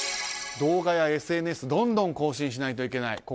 動画やＳＮＳどんどん更新しないといけない